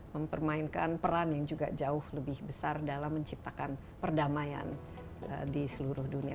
mempermainkan peran yang juga jauh lebih besar dalam menciptakan perdamaian di seluruh dunia